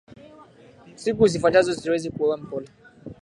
siku zifuatazo siwezi kuwa mpole